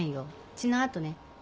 血の跡ね。